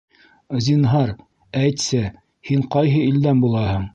Зинһар, әйтсе, һин ҡайһы илдән булаһың?